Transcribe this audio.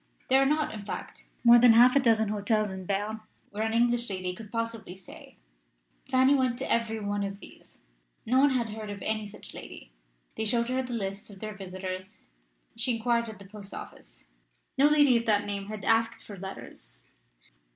There are not, in fact, more than half a dozen hotels in Berne where an English lady could possibly stay. Fanny went to every one of these. No one had heard of any such lady: they showed her the lists of their visitors. She inquired at the post office. No lady of that name had asked for letters.